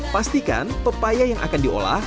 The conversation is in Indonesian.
pastikan pepaya yang akan diolah